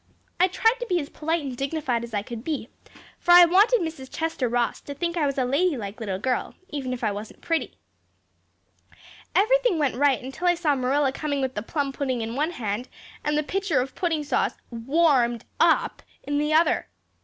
I tried to be as polite and dignified as I could be, for I wanted Mrs. Chester Ross to think I was a ladylike little girl even if I wasn't pretty. Everything went right until I saw Marilla coming with the plum pudding in one hand and the pitcher of pudding sauce warmed up, in the other.